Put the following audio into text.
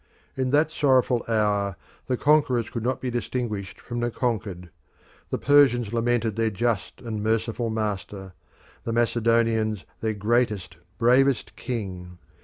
In that sorrowful hour the conquerors could not be distinguished from the conquered; the Persians lamented their just and merciful master; the Macedonians their greatest, bravest king.